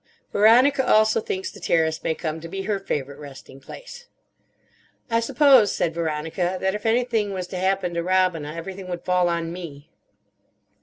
Veronica also thinks the terrace may come to be her favourite resting place. "I suppose," said Veronica, "that if anything was to happen to Robina, everything would fall on me."